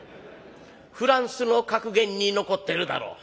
フランスの格言に残ってるだろ。